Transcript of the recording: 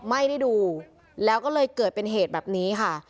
ไม่ได้ดูแล้วก็เลยเกิดเป็นเหตุแบบนี้ค่ะ